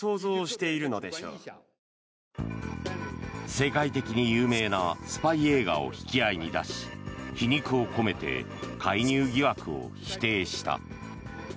世界的に有名なスパイ映画を引き合いに出し皮肉を込めて介入疑惑を否定した。